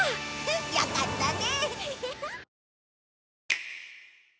よかったね。